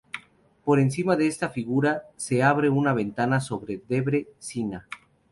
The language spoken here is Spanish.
Por encima de esta figura, se abre una ventana sobre Debre Sina.